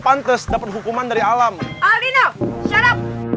pantes dapat hukuman dari alam alina